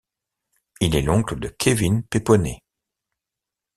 Il est l'oncle de Kevin Peponnet.